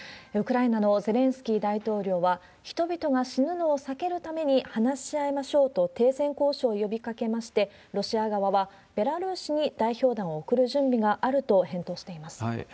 ウクライナのゼレンスキー大統領は、人々が死ぬのを避けるために話し合いましょうと、停戦交渉を呼びかけまして、ロシア側はベラルーシに代表団を送る準備があると返答しています。